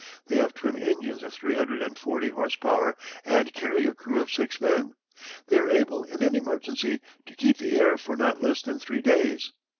They have twin engines of three hundred and forty horse power and carry a crew of six men. They are able in an emergency to keep the air for not less than three days.